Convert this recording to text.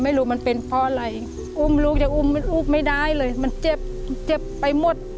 ไม่รู้มันเป็นเพราะอะไรอุ้มลูกจะอุ้มอุ้มไม่ได้เลยมันเจ็บไปหมด